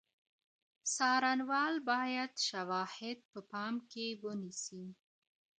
څارنوال باید شواهد په پام کې ونیسي.